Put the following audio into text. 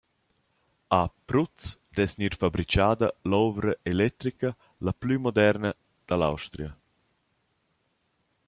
A Prutz dess gnir fabrichada l’ouvra electrica la plü moderna da l’Austria.